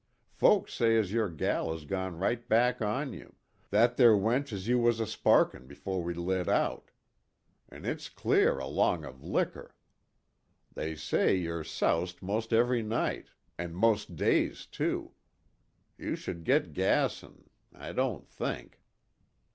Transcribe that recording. Folks says as your gal has gone right back on you, that ther' wench as you was a sparkin' 'fore we lit out. An' it's clear along of liquor. They say you're soused most ev'ry night, an' most days too. You should git gassin' I don't think."